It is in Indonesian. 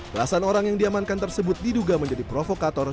belasan orang yang diamankan tersebut diduga menjadi provokator